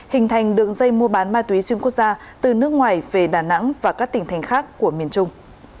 hình thành đường dây mua bán ma túy xuyên quốc gia từ nước ngoài về đà nẵng và các tỉnh thành khác của miền trung